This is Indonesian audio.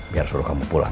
biar suruh kamu pulang